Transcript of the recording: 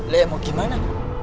leh mau gimana